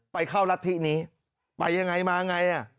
ไปเข้ารัฐธินี้ไปอย่างไรมาอย่างไร